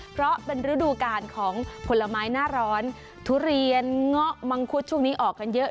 เพราะเป็นฤดูกาลของผลไม้หน้าร้อนทุเรียนเงาะมังคุดช่วงนี้ออกกันเยอะ